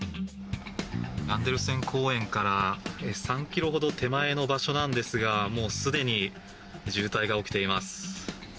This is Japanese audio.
アンデルセン公園から３ｋｍほど手前の場所なんですがもうすでに渋滞が起きています。